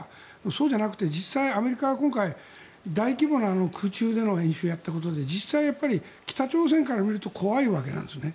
そうじゃなくて実際、アメリカが今回、大規模な空中での演習をやったことで実際、北朝鮮から見ると怖いわけなんですよね。